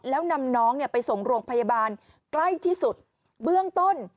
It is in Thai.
แล้วนำน้องไปส่งโรงพยาบาลใกล้ที่สุดเบื้องต้น